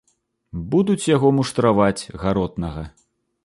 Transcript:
Будуць яго муштраваць, гаротнага.